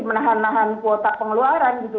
menahan nahan kuota pengeluaran gitu